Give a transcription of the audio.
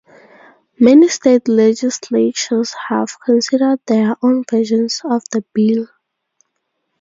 Many state legislatures have considered their own versions of the bill.